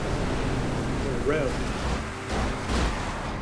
The Rev.